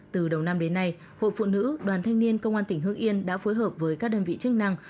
từ đầu năm đến nay hội phụ nữ đoàn thanh niên công an tỉnh hương yên đã phối hợp với các đơn vị chức năng